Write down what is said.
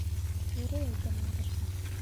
— Юрый әйтәм, Юлдашка.